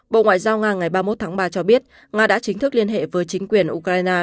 bộ ngoại giao nga ngày ba mươi một tháng ba cho biết nga đã chính thức liên hệ với chính quyền ukraine